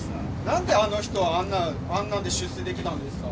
何であの人あんなあんなんで出世できたんですか。